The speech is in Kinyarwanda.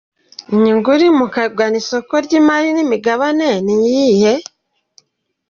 Inyungu iri mu kugana isoko ry’imari n’imigabane n’iyihe?.